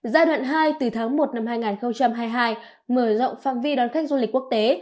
giai đoạn hai từ tháng một năm hai nghìn hai mươi hai mở rộng phạm vi đón khách du lịch quốc tế